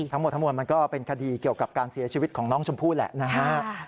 ทั้งหมดทั้งมวลมันก็เป็นคดีเกี่ยวกับการเสียชีวิตของน้องชมพู่แหละนะฮะ